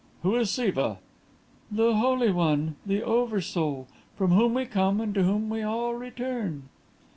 "Who is Siva?" "The Holy One, the Over soul, from whom we come and to whom we all return."